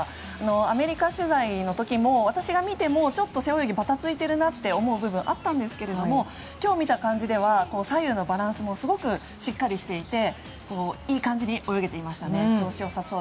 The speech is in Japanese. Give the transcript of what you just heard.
アメリカ取材の時は私が見ても、背泳ぎバタついているなと思う部分があったんですけども今日見た感じでは左右のバランスもすごくしっかりしていていい感じに泳げていましたね。